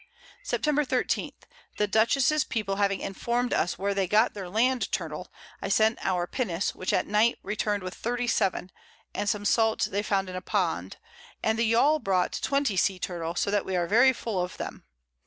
Sept. 13. The Dutchess's People having inform'd us where they got their Land Turtle, I sent our Pinnace, which at Night return'd with 37, and some Salt they found in a Pond; and the Yawl brought 20 Sea Turtle, so that we are very full of them.